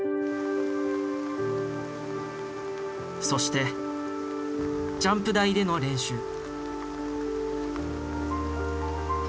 そしてジャンプ台での練習。